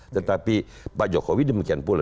tetapi pak jokowi demikian pula